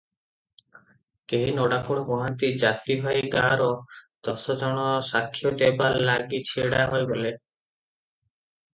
କେହି ନ ଡାକୁଣୁ ମହାନ୍ତି ଜାତିଭାଇ ଗାଁର ଦଶ ଜଣ ସାକ୍ଷ ଦେବା ଲାଗି ଛିଡ଼ା ହୋଇଗଲେ ।